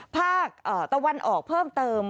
ภาคตะวันออกเพิ่มเติม